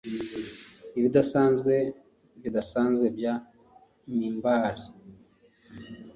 Ibidasanzwe bidasanzwe bya mimbari